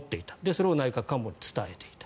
それを内閣官房に伝えていた。